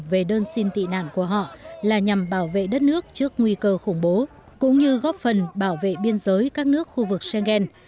về đơn xin tị nạn của họ là nhằm bảo vệ đất nước trước nguy cơ khủng bố cũng như góp phần bảo vệ biên giới các nước khu vực schengen